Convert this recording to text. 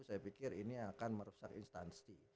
saya pikir ini akan merusak instansi